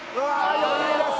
余裕です。